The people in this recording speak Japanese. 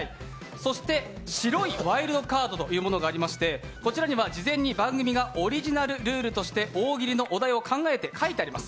そして白いワイルドカードというものがありまして、こちらには事前に番組がオリジナルルールとして大喜利のお題を考えて書いてあります。